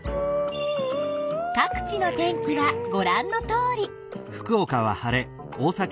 各地の天気はごらんのとおり。